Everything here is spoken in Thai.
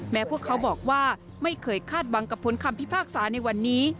พวกเขาบอกว่าไม่เคยคาดหวังกับผลคำพิพากษาในวันนี้